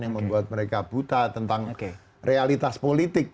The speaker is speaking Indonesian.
yang membuat mereka buta tentang realitas politik